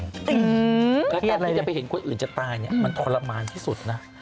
แล้วการที่จะไปเห็นคนอื่นจะตายเนี่ยมันทรมานที่สุดนะ